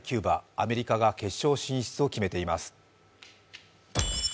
アメリカが決勝進出を決めています。